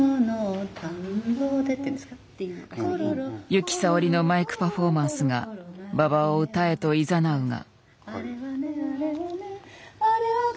由紀さおりのマイクパフォーマンスが馬場を歌へといざなうが。